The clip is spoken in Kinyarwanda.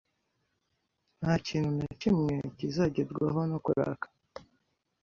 Nta kintu na kimwe kizagerwaho no kurakara.